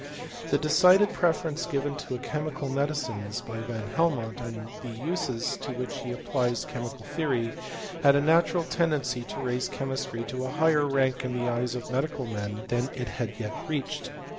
The decided preference given to chemical medicines by Van Helmont, and the uses to which he applies chemical theory, had a natural tendency to raise che > mistry to a higher rank in the eyes of medical men tkta it had yet reached.